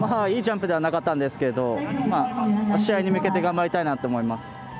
いいジャンプではなかったんですけれども試合に向けて頑張りたいなと思います。